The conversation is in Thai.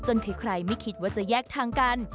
ใครไม่คิดว่าจะแยกทางกัน